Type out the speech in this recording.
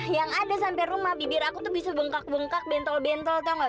yang ada sampe rumah bibir aku tuh bisa bengkak bengkak bentol bentol tau gak